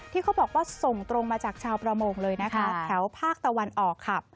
ที่เขาบอกว่าส่งตรงมาจากชาวประมงเลยนะคะแถวภาคตะวันออกค่ะ